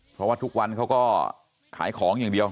เพราะว่าทุกวันเขาก็ขายของอย่างเดียว